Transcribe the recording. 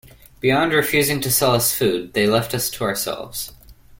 Beyond refusing to sell us food, they left us to ourselves.